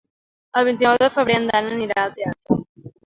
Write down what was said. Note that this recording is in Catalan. El vint-i-nou de febrer en Dan anirà al teatre.